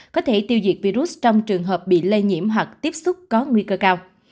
có thể tiêu diệt virus trong trường hợp bị lây nhiễm hoặc tiếp xúc có nguy cơ cao